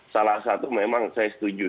salah satu memang saya setuju